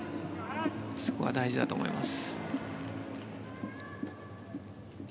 そこが大事だと思います。